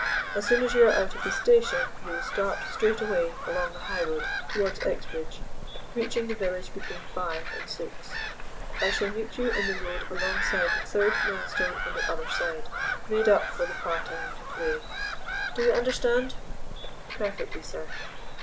As soon as you are out of the station you will start straight away along the highroad towards Exbridge, reaching the village between five and six. I shall meet you in the road alongside the third milestone on the other side, made up for the part I am to play. Do you understand?" "Perfectly, sir."